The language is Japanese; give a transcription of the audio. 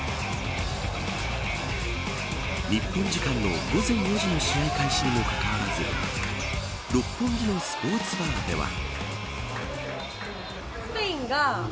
日本時間の午前４時の試合開始にもかかわらず六本木のスポーツバーでは。